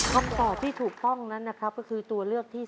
คำตอบที่ถูกต้องนั้นนะครับก็คือตัวเลือกที่๓